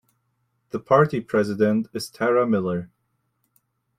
The party president is Tara Miller.